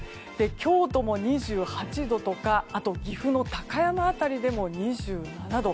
京都も２８度とか、あとは岐阜の高山辺りでも２７度。